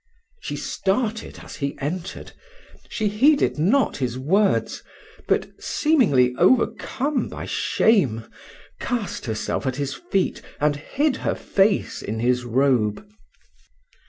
She started as he entered she heeded not his words; but, seemingly overcome by shame, cast herself at his feet, and hid her face in his robe.